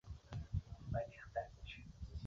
是哭泣的寂寞的灵魂